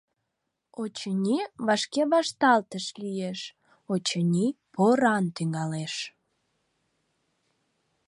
Очыни, вашке вашталтыш лиеш, очыни, поран тӱҥалеш.